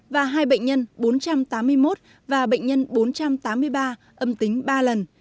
và hai bệnh nhân bốn trăm tám mươi một và bệnh nhân bốn trăm tám mươi ba âm tính ba lần